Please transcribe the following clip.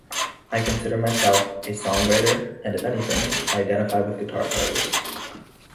I consider myself a songwriter, and if anything, I identify with guitar players.